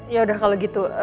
yaudah kalo gitu